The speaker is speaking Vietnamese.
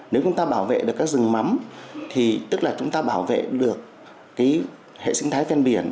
nếu chúng ta bảo vệ được các rừng mắm thì tức là chúng ta bảo vệ được hệ sinh thái ven biển